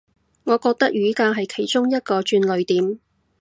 我覺得雨革係其中一個轉捩點